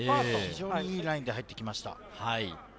非常にいいラインで入ってきました。